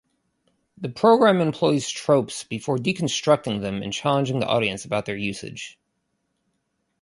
The programme employs tropes before deconstructing them and challenging the audience about their usage.